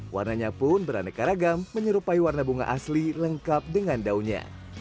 warnanya pun beraneka ragam menyerupai warna bunga asli lengkap dengan daunnya